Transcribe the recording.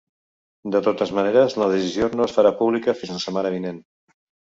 De totes maneres, la decisió no es farà pública fins la setmana vinent.